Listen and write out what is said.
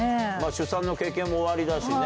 出産の経験もおありだしね。